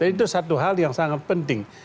itu satu hal yang sangat penting